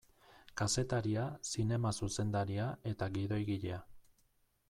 Kazetaria, zinema zuzendaria eta gidoigilea.